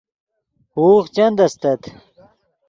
ہوغ چند استت